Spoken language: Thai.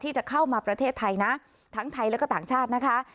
ที่จะเข้ามาประเทศไทยนะทั้งไทยแล้วก็ต่างชาตินะคะ